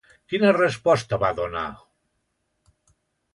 Quina resposta va donar?